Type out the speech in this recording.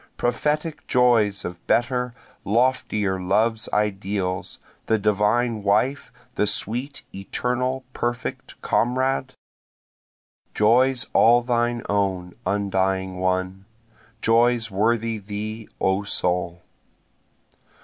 Prophetic joys of better, loftier love's ideals, the divine wife, the sweet, eternal, perfect comrade? Joys all thine own undying one, joys worthy thee O soul.